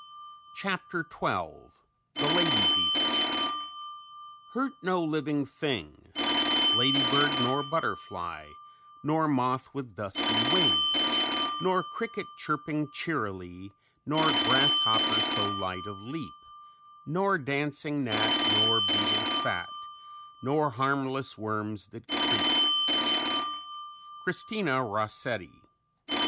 CHAPTER XII THE LADY BEETLE "_Hurt no living thing: Ladybird, nor butterfly, Nor moth with dusty wing, Nor cricket chirping cheerily, Nor grasshopper so light of leap, Nor dancing gnat, nor beetle fat, Nor harmless worms that creep._" CHRISTINA ROSSETTI.